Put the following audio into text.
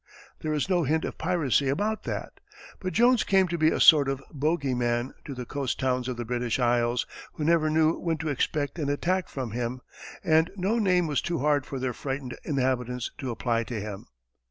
There is no hint of piracy about that; but Jones came to be a sort of bogeyman to the coast towns of the British Isles, who never knew when to expect an attack from him, and no name was too hard for their frightened inhabitants to apply to him.